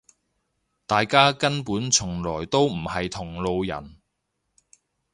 大家根本從來都唔係同路人